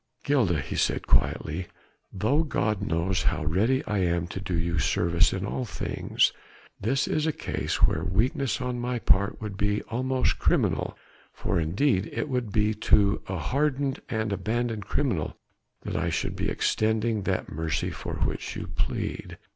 "Gilda," he said quietly, "though God knows how ready I am to do you service in all things, this is a case where weakness on my part would be almost criminal, for indeed it would be to a hardened and abandoned criminal that I should be extending that mercy for which you plead."